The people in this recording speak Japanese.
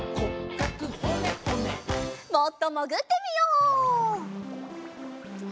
もっともぐってみよう。